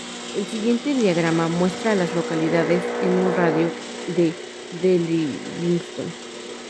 El siguiente diagrama muestra a las localidades en un radio de de Livingston.